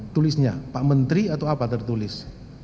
tulisnya pak menteri atau apa tertulis